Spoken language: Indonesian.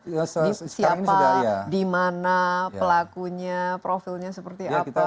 siapa di mana pelakunya profilnya seperti apa